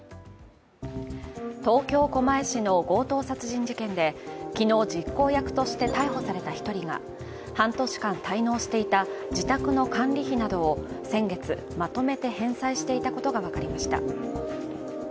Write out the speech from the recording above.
東京・狛江市の強盗殺人事件で昨日実行役として逮捕された一人が半年間滞納していた自宅の管理費などを先月まとめて返済していたことが分かりました。